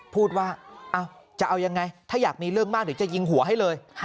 พูดว่าจะเอายังไงถ้าอยากมีเรื่องมากเดี๋ยวจะยิงหัวให้เลย